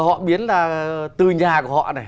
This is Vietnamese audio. họ biến là từ nhà của họ này